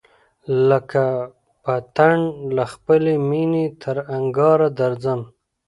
لکه پتڼ له خپلی مېني تر انگاره درځم